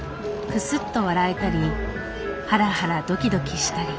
クスッと笑えたりハラハラドキドキしたり。